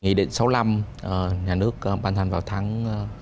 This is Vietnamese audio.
nghị định sáu mươi năm nhà nước ban thành vào tháng chín